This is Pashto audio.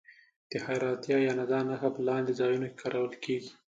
د حېرانتیا یا ندا نښه په لاندې ځایونو کې کارول کیږي.